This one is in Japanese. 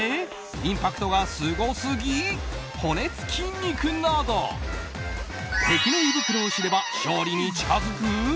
インパクトがすごすぎ骨付き肉など敵の胃袋を知れば勝利に近づく？